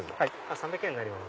３００円になります。